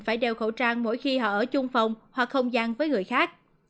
phải đeo khẩu trang mỗi khi họ ở chung phòng hoặc không gian với người khác